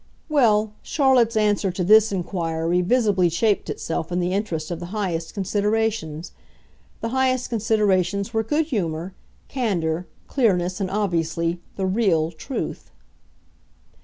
Well, Charlotte's answer to this inquiry visibly shaped itself in the interest of the highest considerations. The highest considerations were good humour, candour, clearness and, obviously, the REAL truth.